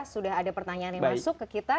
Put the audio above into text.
sudah ada pertanyaan yang masuk ke kita